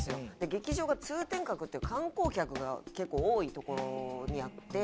劇場が通天閣っていう観光客が結構多い所にあって。